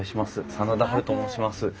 真田ハルと申します。